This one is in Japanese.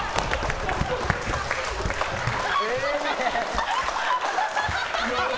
ええ。